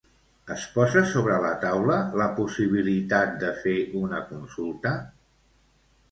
Es posa sobre la taula la possibilitat de fer una consulta?